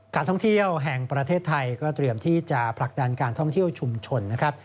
ท่องเที่ยวแห่งประเทศไทยก็เตรียมที่จะผลักดันการท่องเที่ยวชุมชนนะครับ